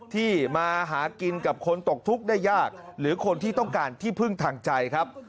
ที่มาหากินกับคนตกทุกข์ได้ยากหรือคนที่ต้องการที่พึ่งทางใจครับ